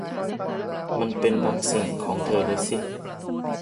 มันเป็นบางสิ่งของเธอเลยสิ